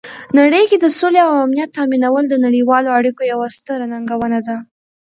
نړۍ کې د سولې او امنیت تامینول د نړیوالو اړیکو یوه ستره ننګونه ده.